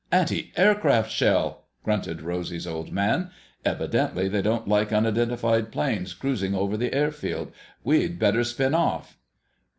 "Antiaircraft shell!" grunted Rosy's Old Man. "Evidently they don't like unidentified planes cruising over the airfield. We'd better spin off."